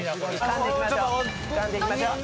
勘でいきましょう。